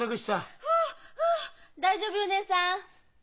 大丈夫よ義姉さん！